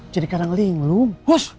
jadi kadang linglung